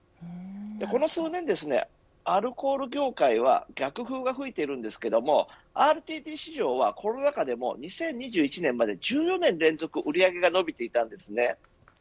この数年、アルコール業界は逆風が吹いているんですがＲＴＤ市場はコロナ禍でも２０２１年まで１４年連続で売り上げが伸びていたんです。